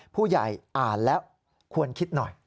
ผู้ใหญ่อ่านแล้วควรคิดหน่อย